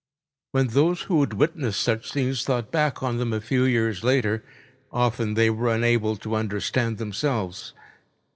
When those who had witnessed such scenes thought back on them a few years later, often they were unable to understand themselves.